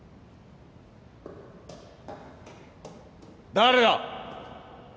・誰だ！